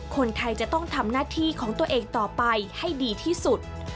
คนไทยจะต้องทำหน้าที่ของตัวเองต่อไปให้ดีที่สุด